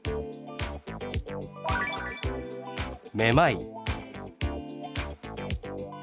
「めまい」。